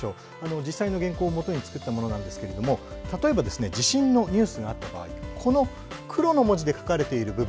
実際の原稿をもとに作ったものですが地震のニュースがあった場合黒の文字で書かれている部分。